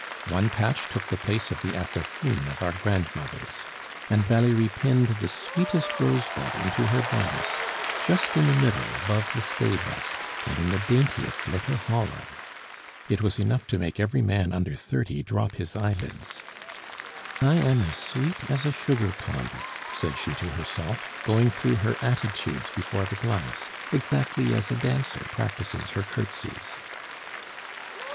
One patch took the place of the assassine of our grandmothers. And Valerie pinned the sweetest rosebud into her bodice, just in the middle above the stay busk, and in the daintiest little hollow! It was enough to make every man under thirty drop his eyelids. "I am as sweet as a sugar plum," said she to herself, going through her attitudes before the glass, exactly as a dancer practises her curtesies.